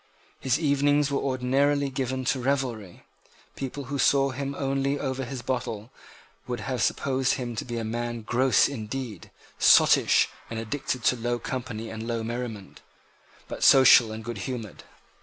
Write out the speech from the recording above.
His evenings were ordinarily given to revelry. People who saw him only over his bottle would have supposed him to be a man gross indeed, sottish, and addicted to low company and low merriment, but social and goodhumoured.